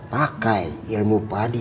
pakai ilmu padi